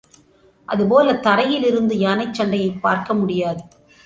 அதுபோல தரையிலிருந்து யானைச் சண்டையைப் பார்க்க முடியாது.